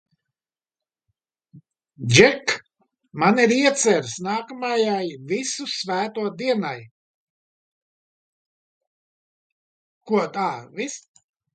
Džek, man ir ieceres nākamajai Visu Svēto dienai!